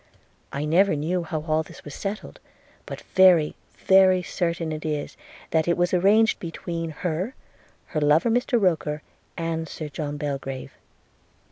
– I never knew how all this was settled; but very, very certain it is, that it was arranged between her, her lover Mr Roker, and Sir John Belgrave.